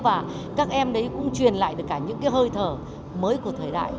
và các em đấy cũng truyền lại được cả những cái hơi thở mới của thời đại